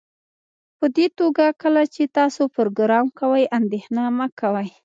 پدې توګه کله چې تاسو پروګرام کوئ اندیښنه مه کوئ